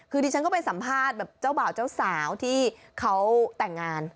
คือดิฉันก็ไปสัมภาษณ์แบบเจ้าบ่าวเจ้าสาวที่เขาแต่งงาน